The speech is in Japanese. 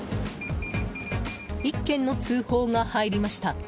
１件の通報が入りました。